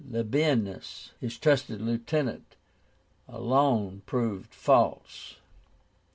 LABIENUS, his trusted lieutenant, alone proved false.